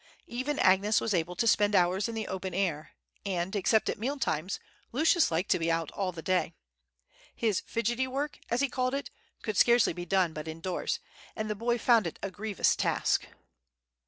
Even Agnes was able to spend hours in the open air; and, except at mealtimes, Lucius liked to be out all the day. His fidgety work, as he called it, could scarcely be done but indoors, and the boy found it a grievous task.